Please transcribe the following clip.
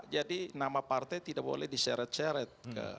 jadi nama partai tidak boleh diseret seret